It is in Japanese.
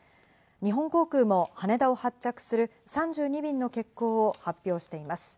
日本航空も羽田を発着する３２便の欠航を発表しています。